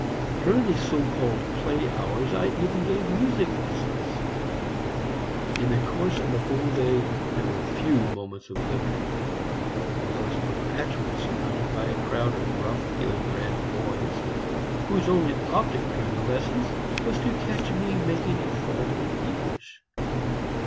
During the so called play hours, I even gave music lessons. In the course of the whole day there were few moments of liberty for me. I was perpetually surrounded by a crowd of rough, ill bred boys, whose only object during lessons was to catch me making a fault in English.